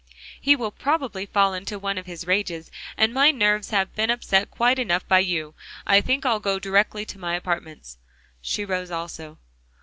"He will probably fall into one of his rages, and my nerves have been upset quite enough by you. I think I'll go directly to my apartments." She rose also.